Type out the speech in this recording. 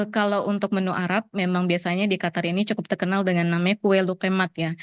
kalau untuk menu arab memang biasanya di qatar ini cukup terkenal dengan namanya kue lukemat ya